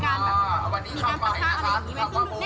เรากลัวว่าจะมีการศักดิ์ค่าอะไรอย่างนี้